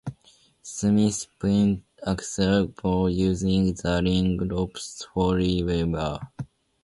Smith pinned Axl Rotten using the ring ropes for leverage.